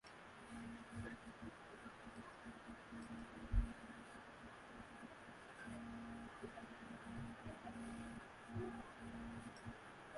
অন্যগুলো হচ্ছে Carrefour Laval, Fairview Pointe Claire এবং লেস প্রমেনাডেস সেন্ট ব্রুনো।